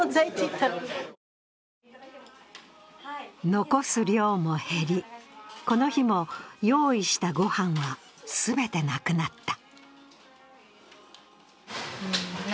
残す量も減り、この日も用意したごはんは全てなくなった。